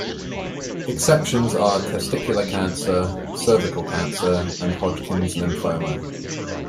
Exceptions are testicular cancer, cervical cancer, and Hodgkin's lymphoma.